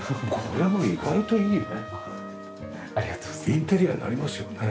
インテリアになりますよね。